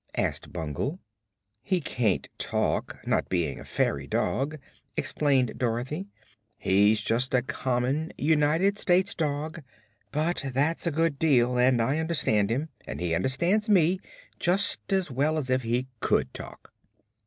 asked Bungle. "He can't talk, not being a fairy dog," explained Dorothy. "He's just a common United States dog; but that's a good deal; and I understand him, and he understands me, just as well as if he could talk."